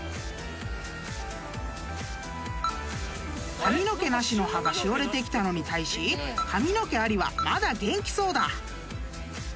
［髪の毛なしの葉がしおれてきたのに対し髪の毛ありはまだ元気そうだ］